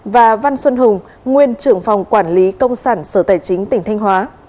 và văn xuân hùng nguyên trưởng phòng quản lý công sản sở tài chính tỉnh thanh hóa